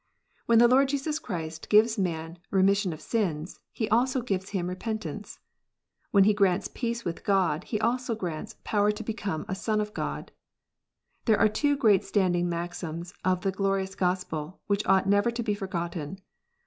When the Lord Jesus Christ gives a man remission of .sins, lie also gives him repent ance. When He grants peace with Cod, He also grants " power to become a son of God." There are two great standing maxims of the glorious Gospel, which ought never to be forgotten.